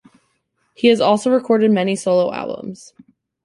He has also recorded many solo albums.